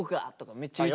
めっちゃ言う！